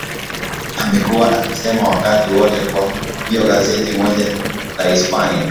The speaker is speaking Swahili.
amekuwa akisema wakati wote kwa hiyo gazeti moja la hispania